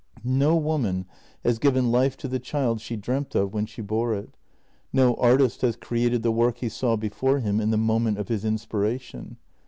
No woman has given life to the child she dreamt of when she bore it — no artist has created the work he saw before him in the moment of his inspiration.